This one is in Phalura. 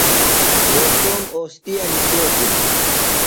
گھوݜٹوم اوستِیہ نِکھیتِم۔